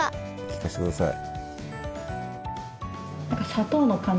聞かせてください。